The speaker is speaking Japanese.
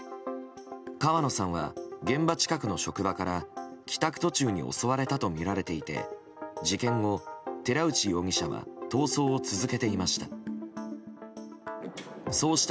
川野さんは、現場近くの職場から帰宅途中に襲われたとみられていて事件後、寺内容疑者は逃走を続けていました。